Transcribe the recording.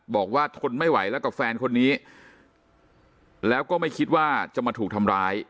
ทนไม่ไหวแล้วกับแฟนคนนี้แล้วก็ไม่คิดว่าจะมาถูกทำร้าย